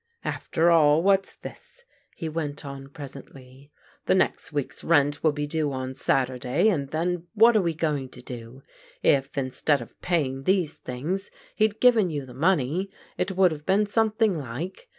"After all, what's this?" he went on presently; "the next week's rent will be due on Saturday, and then, what are we going to do? If, instead of paying these things, he'd given you the money it would have been something like.